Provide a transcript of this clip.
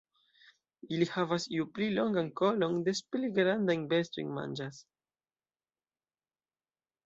Ili havas ju pli longan kolon des pli grandajn bestojn manĝas.